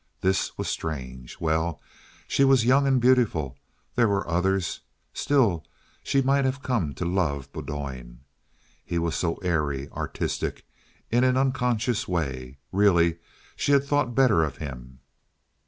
This was strange. Well, she was young and beautiful. There were others. Still, she might have come to love Bowdoin. He was so airy, artistic in an unconscious way. Really, she had thought better of him.